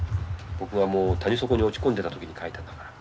僕がもう谷底に落ち込んでた時に描いたんだから。